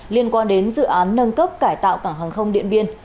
liên quan đến dự án nâng cấp cải tạo cảng hàng không điện biên